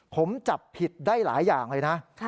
ผมจับผิดได้หลายอย่างเลยนะ